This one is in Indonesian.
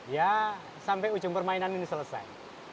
ya sampai ujung permainan ini selesai